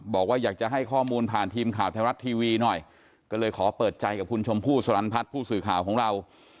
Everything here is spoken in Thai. บอกว่าอยากจะให้ข้อมูลผ่านทีมข่าวไทยรัฐทีวีหน่อยก็เลยขอเปิดใจกับคุณชมพู่สลันพัฒน์ผู้สื่อข่าวของเรา